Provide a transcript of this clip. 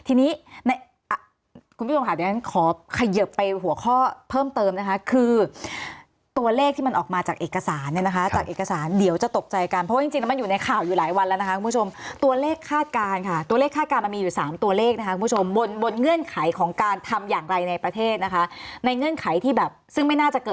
ทีนี้ในคุณผู้ชมค่ะเดี๋ยวฉันขอเขยิบไปหัวข้อเพิ่มเติมนะคะคือตัวเลขที่มันออกมาจากเอกสารเนี่ยนะคะจากเอกสารเดี๋ยวจะตกใจกันเพราะว่าจริงแล้วมันอยู่ในข่าวอยู่หลายวันแล้วนะคะคุณผู้ชมตัวเลขคาดการณ์ค่ะตัวเลขคาดการณมันมีอยู่๓ตัวเลขนะคะคุณผู้ชมบนบนเงื่อนไขของการทำอย่างไรในประเทศนะคะในเงื่อนไขที่แบบซึ่งไม่น่าจะเกิด